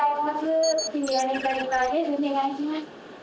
お願いします。